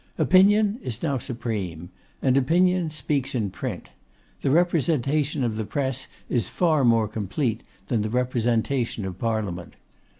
Opinion is now supreme, and Opinion speaks in print. The representation of the Press is far more complete than the representation of Parliament.